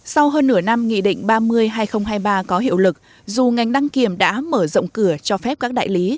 sau hơn nửa năm nghị định ba mươi hai nghìn hai mươi ba có hiệu lực dù ngành đăng kiểm đã mở rộng cửa cho phép các đại lý